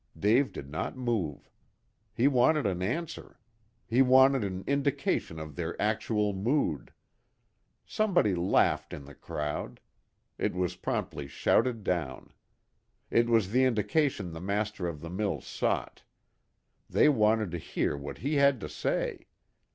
Dave did not move. He wanted an answer. He wanted an indication of their actual mood. Somebody laughed in the crowd. It was promptly shouted down. It was the indication the master of the mills sought. They wanted to hear what he had to say.